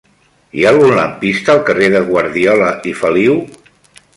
Hi ha algun lampista al carrer de Guardiola i Feliu?